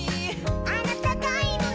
「あなたがいるの？」